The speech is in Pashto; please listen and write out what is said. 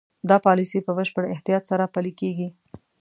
دا پالیسي په بشپړ احتیاط سره پلي کېږي.